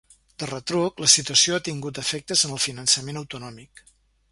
De retruc, la situació ha tingut efectes en el finançament autonòmic.